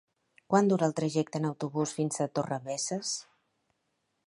Quant dura el trajecte en autobús fins a Torrebesses?